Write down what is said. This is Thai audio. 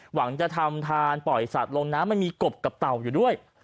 หวังจะทำทานปล่อยสัตว์ลงน้ำมันมีกบกับเต่าอยู่ด้วย